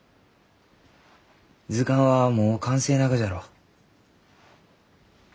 図鑑はもう完成ながじゃろう？